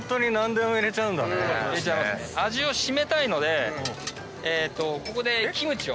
味を締めたいのでここでキムチを。